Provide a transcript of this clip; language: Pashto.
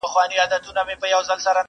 ما یې خالي انګړ ته وکړل سلامونه.!